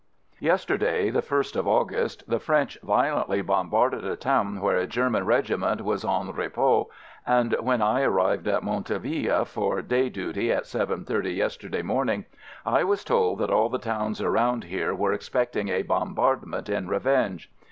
Yesterday, the 1st of August, the French violently bombarded a town where a German regiment was en repos, and when I arrived at Montauville for day duty at seven thirty yesterday morning, I was told that all the towns around here were expecting a bombardment in re venge.